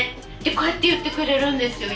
こうやって言ってくれるんですよ